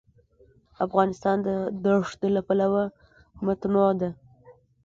افغانستان د دښتې له پلوه متنوع دی.